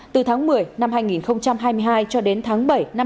từ tháng một mươi năm hai nghìn hai mươi hai cho đến tháng một mươi năm hai nghìn hai mươi